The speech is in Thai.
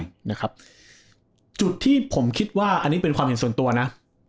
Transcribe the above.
นะครับจุดที่ผมคิดว่าอันนี้เป็นความเห็นส่วนตัวนะ